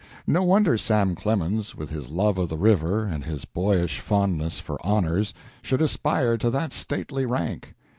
No wonder Sam Clemens, with his love of the river and his boyish fondness for honors, should aspire to that stately rank.